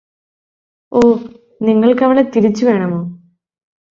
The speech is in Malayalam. ഓ നിങ്ങള്ക്കവളെ തിരിച്ചു വേണമോ